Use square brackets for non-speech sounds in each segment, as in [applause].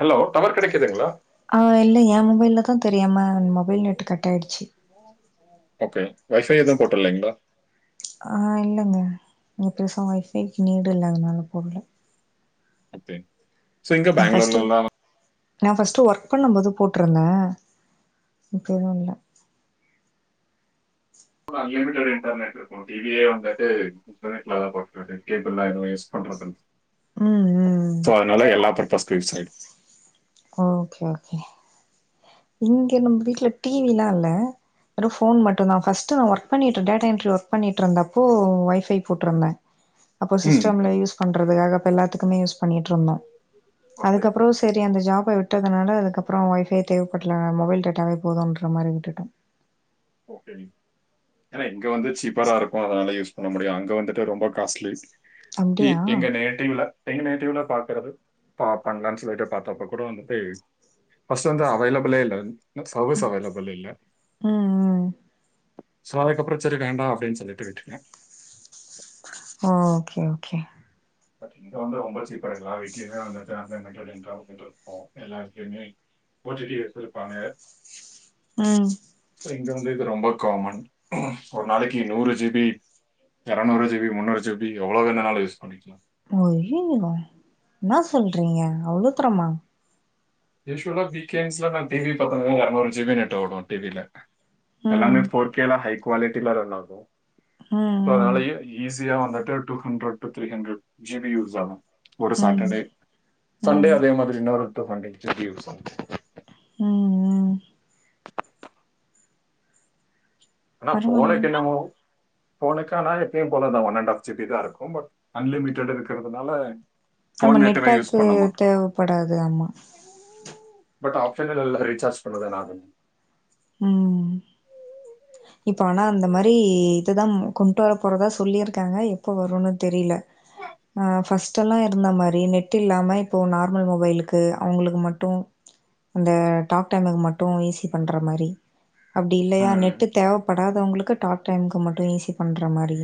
Hello tower கிடைக்குதுங்களா ஆ இல்ல ஏன் மொபைல்லதா தெரியாம மொபைல் நெட்டு் கட் ஆயிடுச்சு ஓகே வைபை எதுவும் போட்டுல்லைங்களா ஆ இல்லைங்க இங்க பெருசா ஒய் ஃபைக்கு நீடு இல்லாதனால போடல ஓகே ஸோ இங்கே அது ஃபஸ்ட்டு பெங்களூர்லாம் நா ஃபஸ்ட்டு ஒர்க் பண்ணம்போது போட்ருந்தே இப்ப எதுவும் இல்ல அன்லிமிட்டேட் டேட்டா நெட்டிருக்கும் டிவியே வந்துட்டு இன்டர்நெட்ல தா பாக்கறது கேபிள்லாம் எதுவும் யூஸ் பண்றதுல்ல ம் ம் சோ அதனால எல்லா பர்பஸ்க்கும் யூசாயி ஓகே ஓகே இங்க நம்ம வீட்ல டீவில்லா இல்ல வெறு ஃபோன் மட்டுந்தா ஃபர்ஸ்ட் நா ஒர்க் பண்ணீட்ருந்தே டேட்டா என்ட்ரி ஒர்க் பண்ணிட்டு இருந்தப்போ ஒய்ஃபை போட்ருந்தே அப்போ ம் சிஸ்டம்ல யூஸ் பண்றதுக்காக அப்ப எல்லாத்துக்குமே யூஸ் பண்ணிட்டு இருந்தோம் ஓகே அதுக்கப்புறம் சேரி அந்த ஜாப விட்டதுனால அதுக்கப்பறம் ஒய்ஃபையே தேவப்படல மொபைல் டேட்டாவே போதுன்ற மாரி விட்டுட்டோம் ஓகேனி ஏனா இங்க வந்து சீப்பரா இருக்கும் அதனால யூஸ் பண்ண முடியும் அங்க வந்துட்டு ரொம்ப காஸ்லி அப்டியா எங்க நேட்டிவ்ல எங்க நேட்டிவ்ல பாக்கறது பா பண்லான்னு சொல்லிட்டு பாத்தப்ப கூட வந்துட்டு ஃபர்ஸ்ட் வந்து அவைலபல்லே இல்ல சர்வீஸ் அவைலபல் இல்ல ம் ம் சோ அதுக்கப்பறம் சரி வேண்டா அப்டின்னு சொல்லிட்டு விட்டுட்டே ஆ ஓகே ஓகே பட் இங்க வந்து ரொம்ப சீப்பா எல்லார் வீட்லயுமே வந்துட்டு ஆன்லைன் நெட்ஒர்க் இன்டர்நெட் இருக்கும் எல்லார் வீட்லயுமே போர் ஜி பி எடுத்துருப்பாங்க ம் சோ இங்க வந்து இது ரொம்ப காமன் ஒரு நாளைக்கு நூறு ஜி பி எரநூறு ஜி பி முன்னூறு ஜி பி எவ்ளோ வேணுன்னாலும் யூஸ் பண்ணிக்கலாம் அய்யயோ என்னா சொல்றீங்க அவ்ளோ தரமா யூஸ்வலா வீக்கென்ஸ்ல நான் டிவி பாத்தன்னா எரநூறு ஜி பி நெட்டு ஓடும் டிவில்ல ம் எல்லாமே ஃபோர்க்கேல்லாம் ஹை குவாலிட்டில ரன் ஆகும் ம் ம் அதனாலயே ஈஸியா வந்துட்டு two hundred to three hundred G B use ஆகும் ஒரு ம் சாட்டர்டே சண்டே ம் அதே மாதிரி இன்னொரு டூ ஹண்ட்ரட் ஜி பி யூசாகும் ம் ம் ஆனா பரவால்ல ஃபோர்ரெட் என்னவோ போனுக்கானா எப்பயும் போல தா one and half G B தா இருக்கும் பட் அன்லிமிட்டேட் இருக்கிறதுனால நம்ம ஃபோன் நெட்டுமே யூஸ் நெட்பேக்கு பண்ண மாட்டோம் தேவப்படாது ஆமா பட் ஆப்சன்ல்ல ரீச்சார்ஜ் பண்றதனாலும் ம் இப்ப ஆனா அந்த மாரி இது தா கொண்டு வர போறதா சொல்லியிருக்காங்க எப்போ வருன்னு தெரில ஆ ஃபர்ஸ்ட்டெல்லாம் இருந்த மாரி நெட் இல்லாம இப்போ நார்மல் மொபைலுக்கு அவங்களுக்கு மட்டும் அந்த டாக் டைமுக்கு மட்டும் ஈஸி பண்ற மாரி அப்டி இல்லையா நெட் ம் ட்டு தேவப்படாதவங்களுக்கு டாக் டைமுக்கு மட்டும் ஈஸி பண்ற மாரி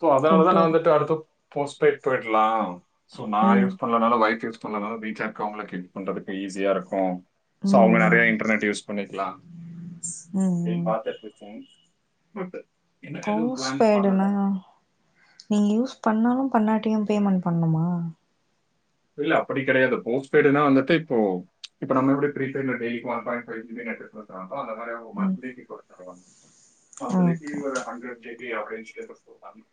சோ கொண்டு அதனாலதான் நான் வர வந்துட்டு அடுத்து போஸ்பேய்டு போய்டலா சோ நா ம் யூஸ் ப அதானால ஒய்ப் யூஸ் பண்ணாதால வீட்ல இருக்குவங்களுக்கு யூஸ் பண்றதுக்கு ஈஸியா இருக்கும் சோ ம் அவங்க யா ம் நிறைய இன்டர்நெட் யூஸ் பண்ணிக்கலா ம் ஆப்டின்னு ம். பாத்துட்டு இருக்க போஸ் பண்ணலை பேய்டுனா நீங்கள் யூஸ் பண்ணாலும் பன்னாட்டியும் பேமெண்ட் பண்ணுமா இல்ல அப்டி கிடையாது போஸ்பெய்டுனா வந்துட்டு இப்போ இப்ப நம்ம எப்டி prepaid daily one point five G B net குடுக்குறாங்களோ அதுமாரி ஒரு ம் மாசதுக்கு போட்டு தருவாங்க மன்த்லிக்கு ஓகே. ஒரு ஹண்டர் ஜேபி அப்டேஷன் குடுத்தாலும்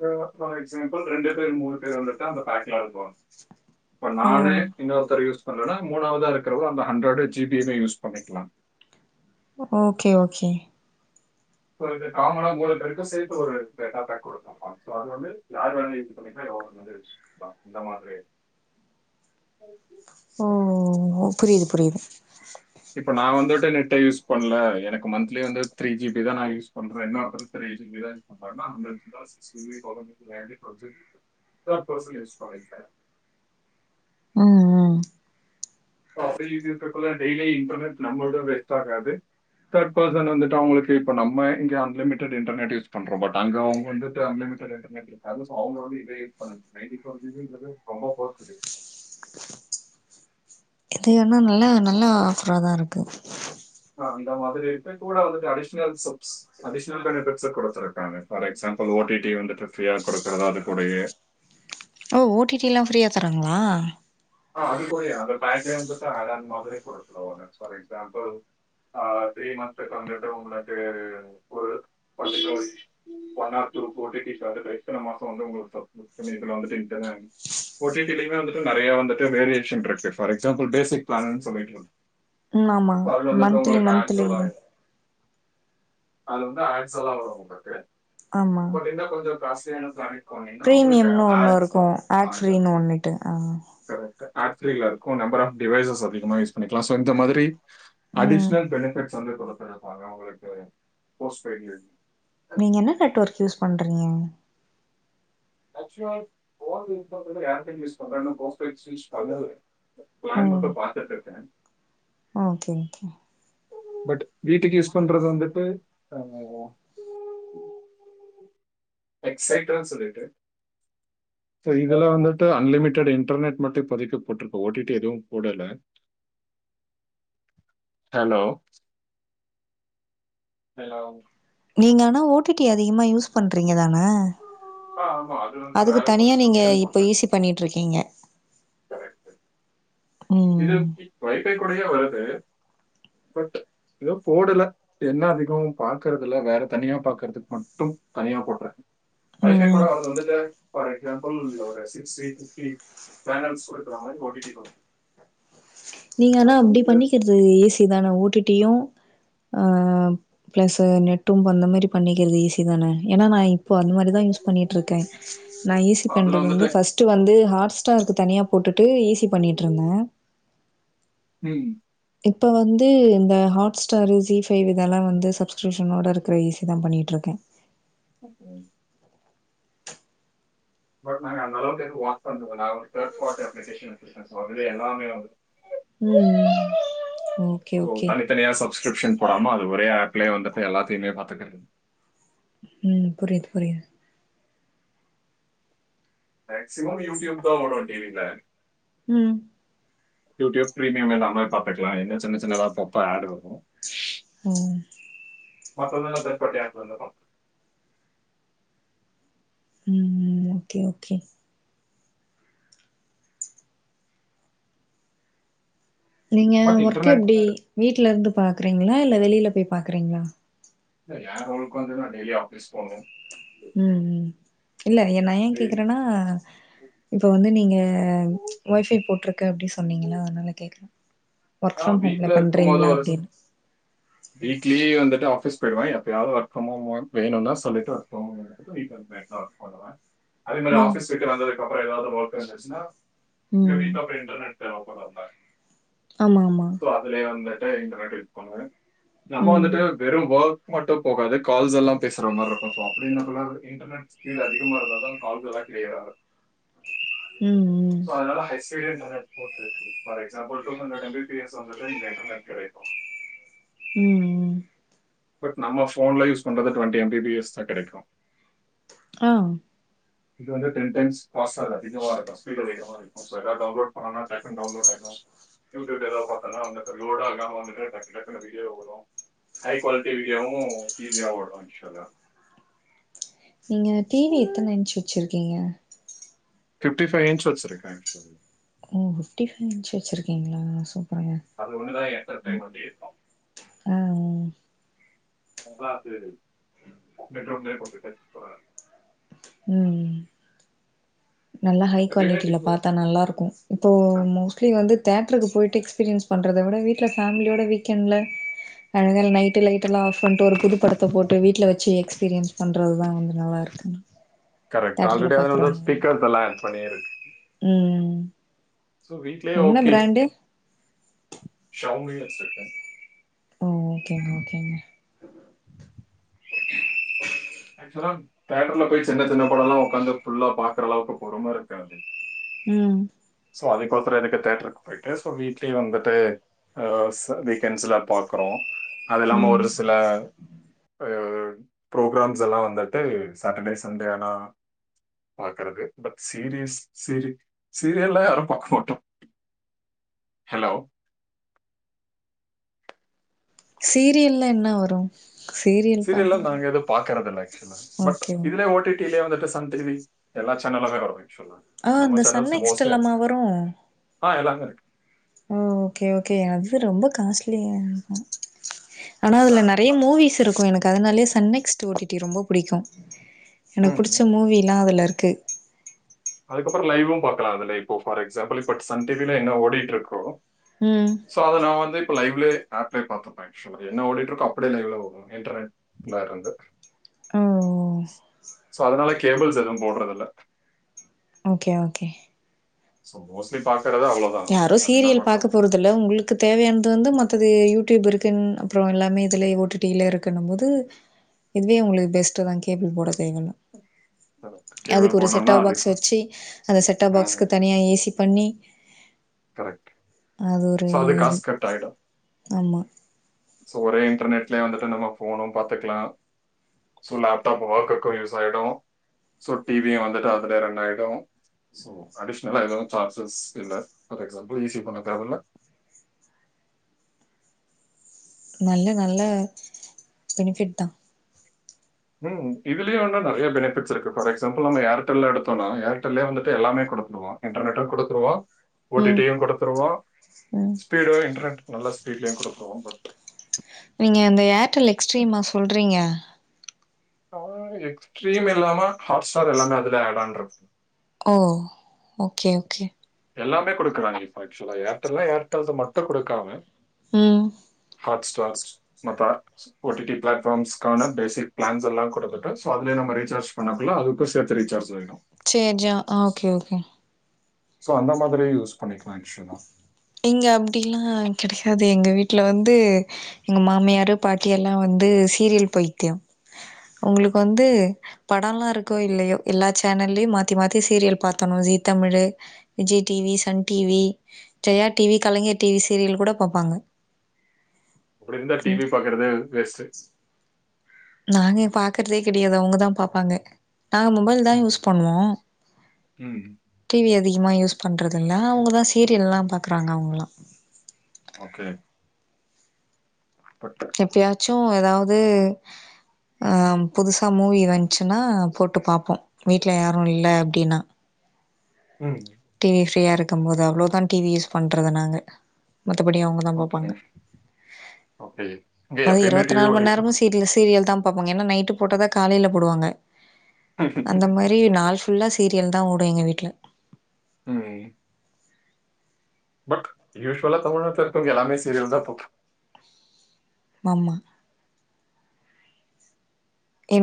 இப்ப ஃபார் எக்ஸாம்பிள் ரெண்டு பேர் மூணு பேர் வந்துட்டு அந்த பேக்ல இருப்பாங்க இப்ப ஓ நானே இன்னொருத்தர் யூஸ் பண்றேன்னா மூணாவதான் இருக்கவ அந்தஹண்ட்ரட் ஜி பியுமே யூஸ் பண்ணிக்கலா ஓகே ஓகே இது காமனா மூணு பேரு சேர்த்து ஒரு டேட்டா பேக் குடுப்பாங்க சோ அது வந்து யாரு வேனா ஈசி ப [unintelligible] இந்த மாதிரியே ஓ ஓ ஓ புரிது புரிது இப்ப நான் வந்துட்டு நெட்டை யூஸ் பண்ல எனக்கு மந்த்லி வந்து த்ரீ ஜி தான் யூ பண்றேன் இன்ன அறம் த்ரீ ஜிபி தான் யூஸ் பன் [unintelligible] ம் ம். ப்ராஃபில் இஜியண்ட்குள்ள டெய்லி இன்டர்நெட் நம்முள்து வேஸ்ட் ஆகாது தெர்ட் பெர்சன் வந்துட்டு அவங்களுக்கு இப்ப நம்ம இங்க அன்லிமிட்டட் இன்டர்நெட் யூஸ் பண்றோ பட் அங்க அவங்க வந்துட்டு அன்லிமிட் இன்டர்நெட் பர்மஸ் அவங்க வந்து இதே யூஸ் பண்ண நைன்ட்டி பெர்சென்ட்ங்குறது காமன் ஃபார் டுடே [inaudible] இது என்னா நல்ல நல்ல ஆஃபராதா இருக்கு ஆ அந்த மாதிரி இப்ப கூட வந்து அடிஷ்னல் சப்ஸ் அடிஷ்னல் பெனிஃபிட்ஸ் குடுத்துருக்காங்க ஃபார் எக்ஸாம்பிள் ஓடிடி வந்துட்டு ஃப்ரீயா குடுக்குறது அது கூடயே ஓ ஓடிடிலா ஃப்ரீயா தராங்களா ஆ அது கூடயே அது பேக்கிரவுண்ட்தா அது அந்த மாதிரியே குடுக்கலா அவஙக ஃபார் எக்ஸாம்பில் அ த்ரீ மந்த்க்கு வந்துட்டு உங்களுக்கு ஒரு பத்துக்கு ஒன் ஆர் டூ ஃபோர்டி டிஸ் வந்துட்டு இத்தன மாசம் வந்து உங்களுக்கு சப்ஸ்கிரிப்ஷன் இதுல வந்துட்டு இன்ட்டர்நெட் ஓ டி டி லயுமே நெறய வந்துட்டு நெறய வந்துட்டு வேரியேஷன் இருக்கு ஃபார் எக்ஸாம்பிள் பேசிக் பிளான்னுன் சொல்லிட்டு இருக் ம் ஆமா இப்ப அது வந்துட்டு மந்த்லி உங்களுக்கு மந்த்லி ஆன்ஸலாய அது வந்து ஆட்சலா வரு உங்களுக்கு ஆமா [unintelligible] என்ன கொஞ்சோ காஸ்டலியான பிளானு பிரீமியம்னு ஒண்ணு இருக்கு ஆட் ஃப்ரீனு ஒன்னுட்டு கரெக்ட்டு ஆட்ஃப்ரீல இருக்கு நம்பர் ஆஃப் டிவைசஸ் அதிகமா யூஸ் பண்ணிக்கலா சோ இந்த மாதிரி ம் அடிஷ்னல் பெனிபிட்ஸ் வந்து குடுத்துருப்பாங்க உங்களுக்கு போஸ்ட் பெய்ட்ல இருந்து நீங்க என்ன கட்ஒர்க் யூஸ் பண்றீங்க ஆக்சுவ ஃபோன் யூஸ் பண்றது யாருமே யூஸ் பண்றனா போஸ்ட்பெய்ட் யூஸ் பண்ணவே இல்ல பிளான் மட்டு பாத்துட் இருக்க ஆ தாங்யூ பட் வீட்டுக்கு யூஸ் பண்றது வந்துட்டு ஆ எக்ஸைட்டோ சொல்லிட்டு பிளாக் எங்கள வந்துட்டு அன்லிமிடெட் இன்டர்நெட் மட்டு இப்பதைக்கு போட்ருக்கு ஓடிடி எதுவு போடல பிளாக் ஹலோ ஹலோ நீங்க ஆனா ஓடிடி அதிகமாக யூஸ் பண்ணுறீங்க தான ஆ ஆமா அது வந்து வேற சப்ஸ்கிரிப்ஷன் சப்ரேட் பண்ணிட்ருக்கீங்க ம் பி எஸ் பி வைஃபை கூடயே வருது பட் இன்னு போடல என்ன அதிகமா பாக்குறதுல வேற தனியா பாக்குறதுக்கு மட்டு தனியா போட்ற வைஃபை ம் கூட வரு நடுவ்ல ஃபார் எக்ஸாம்பிள் ஒரு சிக்ஸ் எயிட் ஃபிப்டி பேனல்ஸ் குடுக்கிற மாரி ஓ டி டி குடுக் நீங்க ஆனா அப்படி வந்துட்டு பண்ணிக்கிறது ஈசி தான ஓ டி டியு ஆ பிளஸ் அது நெட்டு அந்த மாரி பண்ணிக்கிறது ஈஸி தான ஏன்னா நா இப் இப்போ அந்த மாரிதா யூஸ் பண்ணிட்டு இருக்க நான் ஈசி அதுல பண்றது வந்து வந்துட்டு ஃபர்ஸ்ட் ஃபர்ஸ்டு வந்து ஹாட்ஸ்டார்க்கு தனியாக போட்டுட்டு ஈஸி பண்ணிட்டு இருந்த ம் இப்போ வந்து இந்த ஹாட்ஸ்டாரு ஜி ஃபைவ் இதெல்லா வந்து சப்ஸ்கிரிப்ஷனோட இருக்குற ஈஸி தா பண்ணிட்ருக்க ஓகே பட் நாங்க அந்தளவுக்கு எதும் வொர்க் பண்றதுல்ல நா வந்து தேர்ட் பார்ட்டி அப்ளிகேஷன் எடுத்திருக்க சோ அதுலயே எல்லாமே வந்துட்டு ம் ம் ஓகே ஓகே த்தனயா சப்ஸ்கிரிப்ஷன் போடாம அது ஒரே ஆப்லே வந்துட்டு எல்லாத்தையுமே பாத்துகுறது ம் புரியுது புரியது மேக்சிமம் யூடியூப் தா ஓடு டி வி ல ம் யூடியூப் ப்ரீமியம் இல்லாமலே பாத்துக்கலா என்ன சின்ன சின்னதா அப்பப்ப ஆடு வரு ம் மத்ததெல்லா தென்பட்டியாக் வந்துரு ம் ம் ஓகே ஓகே நீங்க பட் ஒர்க் இன்டர்நெட் எப்டி வீட்ல இருந்து பாக்குறீங்களா இல்ல வெளில போய் பாக்குறீங்ளா இல்ல ஏ வொர்க் வந்து என்னனா டெய்லி ஆஃபிஸ் போணு ம் ம் இல்ல இது எ நா ஏ டெய்லி கேக்குறனா இப்ப வந்து நீங்க ஒய்ஃபை போட்ருக்க அப்டி சொன்னீங்களா அதனால கேக்கறே ஒர்க் ஆ ஃப்ரம் ஹோம்ல வீட்ல இருக்கும்போது பண்றீங்ளா ஒரு அப்டின்னு வீக்லி வந்துட்டு ஆஃபீஸ் போய்ருவே எப்பயாவ்து ஒர்க் ஃப்ரம் ஹோம் ஒர்க் வேணுனா சொல்லிட்டு ஒர்க் பண்ண வெண்டியதா வீட்லருந்து லைட்டா ஒர்க் பண்ணுவ அதே மாரி ஓ ஆஃபிஸ் விட்டு வந்ததுக்கப்பற எதாவ்து ஒர்க் வந்துச்சுன்னாங்க உங்க ம் வீட் அப்ப இன்டர்னெட் தேவப்படுல்ல ஆமா ஆமா அதுலயே வந்துட்டு இன்டர்நெட் யூஸ் பண்ணுவே நம்ம ம் வந்துட்டு வெறு வொர்க் மட்டு போகாது கால்ஸ் எல்லா பேசுற மார்ருக்கு சோ அப்டி இனபிள்ளா இருக்கே இன்டர்நெட் ஸ்பீடு அதிகமா இருந்தா தா கால்ஸ் எல்லா கிளியராகு ம் ம் சோ அதனால எஸ்டர்டே நானே போட்ருவே கண்டிப்பா example two hundred M B ஃப்ரீயாஸ் வந்ததுதா இங்க இன்டர்நெட் கெடைக்கு ம் ம் பட் நம்ம ஃபோன்ல யூஸ் பண்றது twenty M B P S தா கெடைக்கு ஆம் இது வந்து டென் டைம்ஸ் பாஸ்வேர்ட் அதிகமா இருக்கு ஸ்பீடு அதிகமா இருக் அப்ப எதாவ்து டவுன்லோட் பண்ணனுனா டக்குனு டவுன்லோட் ஆய்ரு யூடியூப்ல எதாவ்து பாத்தனா வந்துட்டு லோட் ஆகாம வந்துட்டு டக் டக்குனு வீடியோவு வரு ஹை கோலிட்டி விடியோவு ஈஸியா ஓடு ஆக்சுவலா நீங்க டி வி எத்தனை இன்ச் வச்சுருக்கீங்க ஃபிஃப்டி ஃபைவ் இன்ச் வச்சுருக்க ஆக்சுவலி ஓ ஃபிஃப்டி ஃபைவ் இன்ச் வச்சுருக்கீங்ளா சூப்பருங்க அது ஒன்னுதா எண்டர்டெய்மெண்ட்டே ஆ ம் உங்களா சேரி நைட்டோட நைட் ஒங்கிட்டஸ்ட் போறா ம் ம் நல்லா ஹை எப்பயுமே குவாலிட்டில டிவி பாத்தா நல்லாருக்கு இப்போ மோஸ்ட்லி வந்து தேட்ருக்கு போயிட்டு எக்ஸ்பீரியன்ஸ் பண்றத விட வீட்ல ஃபேம்லியோட வீக்கெண்ட்ல அது வேற நைட்டு லைட்டெல்லா ஆஃப் பண்ட்டு ஒரு புது படத்த போட்டு வீட்ல வெச்சு எக்ஸ்பீரியன்ஸ் பண்றதுதா வந்து நல்லாருக்குங்க கரெக்ட் ஆல்ரெடி அதனாலதா ஸ்பீக்கர்ஸெல்லா ஆட் பண்ணியிருக்கு ம் ம் சோ வீட்லயே என்ன ஓகே பிராண்டு ஷவ்ங்கயே வச்சுருக்கே ஓ ஓகேங்க ஓகேங்க தேட்டர்ல போய் சின்ன சின்ன படம்ல்லாம் உக்காந்து ஃபுல்லா பாக்குற அளவுக்கு பொறும இருக்காது ம் சோ அதுக்கு ஒருத்தரு எதுக்கு தேட்டருக்கு போயிட்டு சோ வீட்லயே வந்துட்டு அ ச வீக்கெண்ட்ஸ்ல பாக்குறோ அது இல்லாம ஒரு ம் சில அ பிரோகராம்ஸ் எல்லாம் வந்துடு சட்டர்டே சண்டே அனா பாக்குறது பட் சீரியஸ் சீரி சீரியல்ல யாரும் பாக்க மாட்டோ ஹலோ சீரியல்ல என்ன வரு சீரியல் சீரியலா பாக்க நாங்க எது பாக்கறதில்ல ஆக்சுவல பட் ஓகே இதுல ஓட்டிட்டு ஓடிலே வந்துட்டு சந்திவி எல்லா சேனல் உ வரு ஆக்சுலா ஆ அந்த சன் நெக்ஸ்ட் எல்லாம வரு ஆ எல்லாமே இருக்கு ஓ ஓகே ஓகே அது ரொம்ப காஸ்ட்லிய இருக்கு ஆனா அதுல எல்லா- நெறைய மூவிஸ் இருக்கு எனக்கு அதனாலயே சன்னெக்ஸ்ட் ஓட்டிட்டி ரொம்ப புடிக்கு எனக்கு ம் புடிச்ச மூவிலா அதுல இருக்கு அதுக்கப்புரோ லைவு பாக்கலா அதுல இப்போ ஃபார் எக்ஸாம்பில் இப்ப சன் டிவில என்ன ஓடிட்டு இருக்கோ ம் சோ அத நான் வந்து இப்ப லைவ்லயே ஆப்லயே பாத்துறுவே என்ன ஓடிட்டு இருக்கோ அப்படியே லைவ்ல வரு இன்டர்நெட்ல இருந்து ஓ சோ அதனால கேபிள்ஸ் எது போடுறது இல்ல ஓகே ஓகே சோ மோஸ்லி பாக்கறத அவ்ளோதா அத என்ன பாக்குறது அதுல உங்களுக்கு தேவையானது வந்து மத்தது யூடியூப் இருக்குன் அப்புரோ எல்லாமே இதுல ஓடிடில இருக்குன்னும் போது இதுவே உங்களுக்கு பெஸ்ட் தா கேபிள் போட தேவையில்ல கேபிள் அதுக்கு ஒரு செட்டா போடணும்னா பாக்ஸ் அதுக்கு வச்சி அந்த செட்டாப் பாக்ஸ்க்கு தனியா ஏசி பண்ணி கரெக்ட் அது ஒரு ஸோ அது இது காசு ஆமா சோ ஒரே இன்டர்நெட்லயே வந்துட்டு நம்ம போனு பாத்துக்கலா சோ லேப்டாப் ஒர்க் கு யூஸ் ஆயுடு சோ டிவியும் வந்துட்டு அதுல ரன் ஆயுடு சோ அடிஷனலா எதவும் சார்ஜஸ் இல்ல பார் எக்ஸாம்பிள் ஈசி பண்ண தேவ இல்ல நல்ல நல்ல பெனிஃபிட் தா ம் இதுலையு வந்துட்டு நெறைய பெனிபிட்ஸ் இருக்கு ஃபார் எக்சாம்பில் நம்ம ஏர்டெல்ல எடுத்தோனா ஏர்டெல்லே வந்துட்டு எல்லாமே கொடுத்துடுவா இன்டர்நெட்டூ குடுத்துருவா ஓ டி ம் டி யும் கொடுத்துருவா ம் ஸ்பீடு இன்டர்நெட் நல்ல ஸ்பீட்லயு குடுக்கு பட் நீங்க இந்த ஏர்டெல் எக்ஸ்ட்ரீமா சொல்றீங்க எக்ஸ்ட்ரீம் இல்லாம ஹாட்ஸ்டார் எல்லாமே அதுல add on O okay okay எல்லாமே கொடுக்குறாங்க இப்ப ஆக்சுவலா ஏர்டெல்னா ஏர்டெல் மட்டு குடுக்காம ம் ஹாட்ஸ்டார் மத்தா ஓ டி டி பிலாட்ஃபார்ம்ஸ்க்கான பேசிக் பிளான்ஸ்ல்லா கொடுத்துட்டு சொ அதுல நம்ம ரீசார்ஜ் பண்ணம்மில்ல அதுக் கு சேத்து ரீசார்ஜ் செய்ணு சேஞ்ஜா ஆ ஓகே ஓகே சோ அந்த மாதிரி யூஸ் பண்ணிக்லா ஆக்சுலா இங்க அப்டிலா கெடையாது எங்க வீட்ல வந்து எங்க மாமியாரு பாட்டி எல்லா வந்து சீரியல் பைத்தியோ அவங்களுக்கு வந்து படொல்லா இருக்கோ இல்லையோ எல்லா சேனல்லயு மாத்தி மாத்தி சீரியல் பாத்தர்ணு ஜீ Tamil Vijay T V Sun T V Jaya T V Kalaignar T V serial கூட பாப்பாங்க இப்பிடிர்ந்தா டி ம். வி பாக்கறதே வேஸ்டு நாங்க பாக்கறதே கெடையாது அவொங்கதா பாப்பாங்க நாங்க மொபைல்தா ம். யூஸ் பண்ணுவோ ம். டி வி அதிகமா யூஸ் பண்றதில்ல அவங்கதா சீரியல்ல பாக்குறாங்க அவங்களா ஓகே பட்டு எப்பயாச்சூ எதாவதூ ஆம் புதுசா மூவி வந்ச்சுனா போட்டு பாப்போ வீட்ல யாரு இல்ல அப்டினா ம் டி வி ஃப்ரீயா இருக்கம்போது அவ்ளோதா டி வி யூஸ் பண்றது நாங்க மத்தபடி அவங்க தா ஓகே. பாப்பாங்க ஓகே. இங்க அது எப்பயுமே இருவத்து டிவி நால் மண் ஓடிட்டு நேரமூ இருக்கும். சீ வீட்ல சீரியல்தா பாப்பாங்க ஏனா நைட்டு போட்டத காலையில போடுவாங்க அந்த மார் ரீ நாள் ஃபுல்லா சீரியல்தா ஓடூ எங்க வீட்ல உம் பட் யூஸ்வலா தமிழ் நாட்ல இருக்றவங்க எல்லாமே சீரியல்தா பாப்பா மாம்மா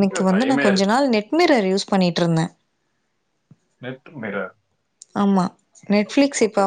இங்க வந்து நா டைமே கொஞ்ச இருக்கு. நாள் நெட்மிரர் யூஸ் பண்ணிட்ருந்தே நெட் மிரர் ஆமா நெட்ஃபிளிக்ஸ் இப்ப ஓகே.